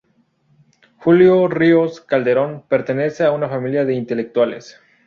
Julio Ríos Calderón, pertenece a una familia de intelectuales.